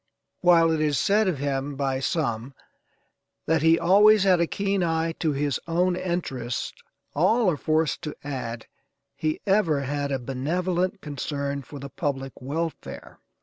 While it is said of him by some that he always had a keen eye to his own interests all are forced to add he ever had a benevolent concern for the public welfare.